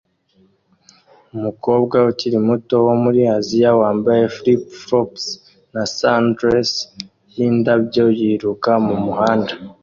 Umukobwa ukiri muto wo muri Aziya wambaye flip-flops na sundress yindabyo yiruka mumuhanda